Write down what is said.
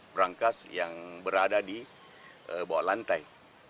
berangkas yang berada di bawah lantai